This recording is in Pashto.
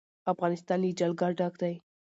افغانستان له جلګه ډک دی.